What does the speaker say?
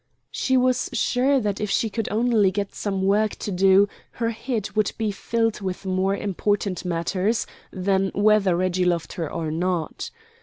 She was sure that if she could only get some work to do her head would be filled with more important matters than whether Reggie loved her or not.